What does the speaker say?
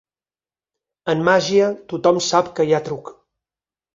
En màgia tothom sap que hi ha truc.